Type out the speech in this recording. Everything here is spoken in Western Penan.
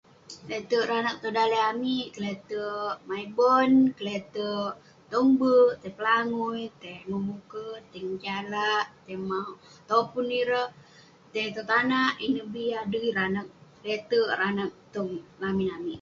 le'terk ireh anag tong daleh amik, kle'terk ..main bon, kle'terk tong berk, tai pelangui tai memuket, tai ngejalak, tai mauk topun ireh, tai tong tanak ineh bi adui ireh anag, le'terk ireh anag tong lamin amik